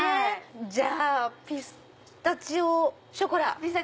じゃあピスタチオショコラ。